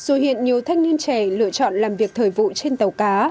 dù hiện nhiều thanh niên trẻ lựa chọn làm việc thời vụ trên tàu cá